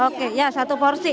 oke ya satu porsi